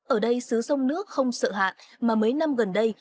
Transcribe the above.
ở đây xứ sông nước không sợ hạn mà mấy năm gần đây